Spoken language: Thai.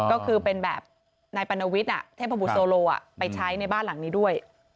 ก็คือเป็นแบบนายปรณวิทย์เทพบุตโซโลไปใช้ในบ้านหลังนี้ด้วย